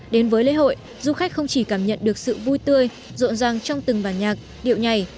đến với lễ hội du khách không chỉ cảm nhận được sự vui tươi rộn ràng trong từng bản nhạc điệu nhảy